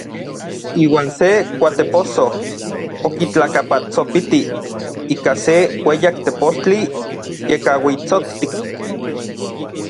Iuan se kuatepossoj okitlakapantsopitij ika se ueyak tepostli yekauitsoktik.